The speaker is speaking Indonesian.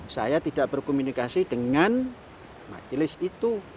saya tidak berkomunikasi dengan majelis itu